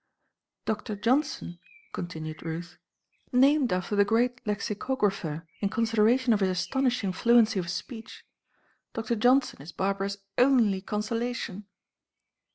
"Doctor Johnson," continued Ruth, "named after the great Lexicographer in consideration of his astonishing fluency of speech. Doctor Johnson is Barbara's only consolation."